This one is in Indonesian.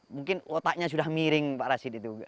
mungkin otaknya sudah miring pak rashid itu